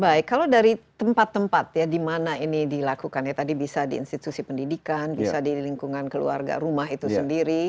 baik kalau dari tempat tempat ya di mana ini dilakukan ya tadi bisa di institusi pendidikan bisa di lingkungan keluarga rumah itu sendiri